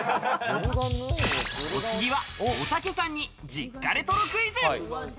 お次は、おたけさんに実家レトロクイズ。